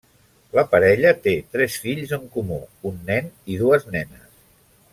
La parella té tres fills en comú, un nen i dues nenes.